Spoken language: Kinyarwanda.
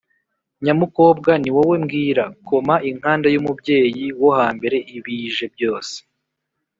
nyamukobwa ni wowe mbwira, koma inkanda y’umubyeyi wo hambere, ibije byose